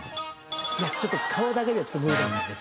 いやちょっと顔だけじゃちょっと無理なんだよね。